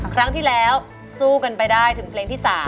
ครั้งที่แล้วสู้กันไปได้ถึงเพลงที่๓